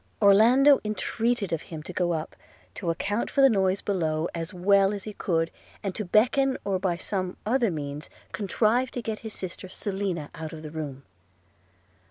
Orlando entreated of him to go up, to account for the noise below as well as he could, and to beckon, or by some other means contrive to get his sister Selina out of the room.